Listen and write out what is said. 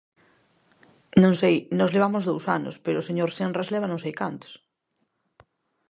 Non sei, nós levamos dous anos, pero o señor Senras leva non sei cantos.